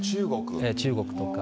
中国とか。